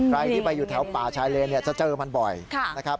ใครที่ไปอยู่แถวป่าชายเลนเนี่ยจะเจอมันบ่อยนะครับ